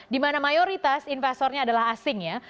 dimana mayoritas investornya adalah asing ya